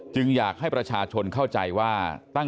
อยากให้ประชาชนเข้าใจว่า